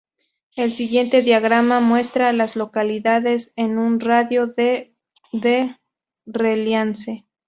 El siguiente diagrama muestra a las localidades en un radio de de Reliance.